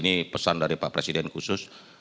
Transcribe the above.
ini pesan dari pak presiden khusus